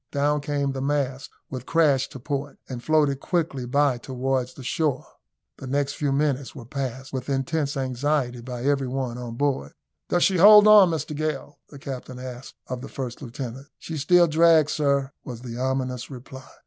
Down came the mast with crash to port, and floated quickly by towards the shore. The next few minutes were passed with intense anxiety by every one on board. "Does she hold on, Mr Gale?" the captain asked of the first lieutenant. "She still drags, sir," was the ominous reply.